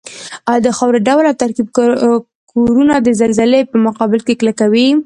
ایا د خاورې ډول او ترکیب کورنه د زلزلې په مقابل کې کلکوي؟